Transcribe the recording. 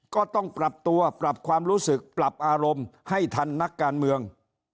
ก็ต้องปรับตัวปรับความรู้สึกปรับอารมณ์ให้ทันนักการเมือง